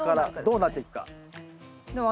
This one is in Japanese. どうなっていくか。